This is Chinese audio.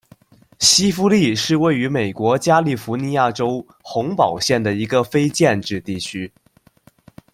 希夫利是位于美国加利福尼亚州洪堡县的一个非建制地区。